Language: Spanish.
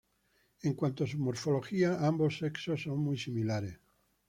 En cuanto a su morfología, ambos sexos son muy similares.